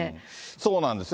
そうなんですよね。